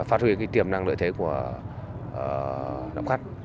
phát huy tiềm năng lợi thế của nậm khát